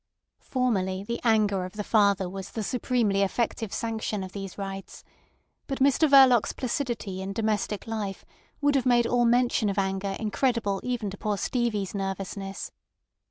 Formerly the anger of the father was the supremely effective sanction of these rites, but Mr Verloc's placidity in domestic life would have made all mention of anger incredible even to poor Stevie's nervousness.